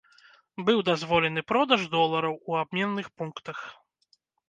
Быў дазволены продаж долараў у абменных пунктах.